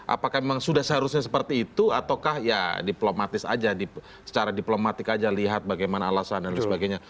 apakah memang sudah seharusnya seperti itu ataukah ya diplomatis aja secara diplomatik aja lihat bagaimana alasan dan sebagainya